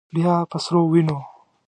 بیا به سره ووینو.